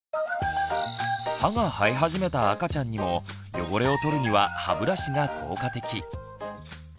歯が生え始めた赤ちゃんにも汚れをとるには歯ブラシが効果的。